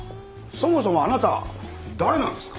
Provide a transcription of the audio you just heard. そもそもあなた誰なんですか？